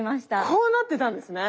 こうなってたんですね。